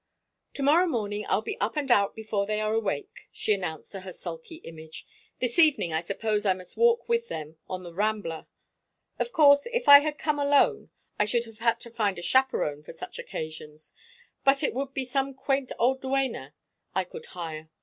"To morrow morning I'll be up and out before they are awake," she announced to her sulky image. "This evening I suppose I must walk with them on the Rambla. Of course, if I had come alone I should have had to find a chaperon for such occasions, but it would be some quaint old duenna I could hire.